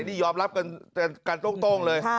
นี่ยอมรับกันโต้งเลย